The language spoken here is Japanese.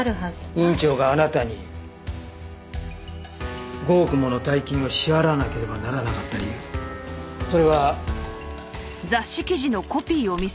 院長があなたに５億もの大金を支払わなければならなかった理由それは。